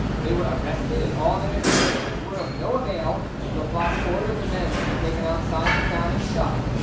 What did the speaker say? They were arrested, and all their excuses were of no avail. Laplace ordered the men to be taken outside the town and shot.